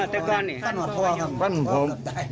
ตะกอนเนี่ย